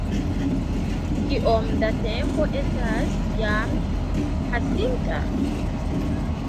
Kiom da tempo estas jam pasinta?